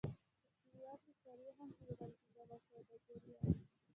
په پېوه کې څاروي هم پلورل کېدل او سوداګري وه.